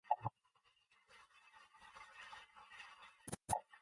Louis and his brother Carl, Cleveland's first black mayor, grew up in the estates.